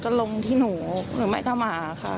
ลงที่หนูหรือไม่ก็มาค่ะ